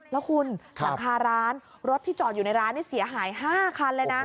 แล้วคุณหลังคาร้านรถที่จอดอยู่ในร้านนี่เสียหาย๕คันเลยนะ